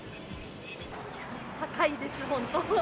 高いです、本当。